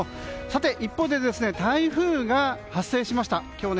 一方で台風が発生しました。